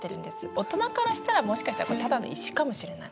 大人からしたらもしかしたらただの石かもしれない。